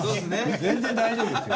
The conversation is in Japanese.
全然大丈夫ですよ。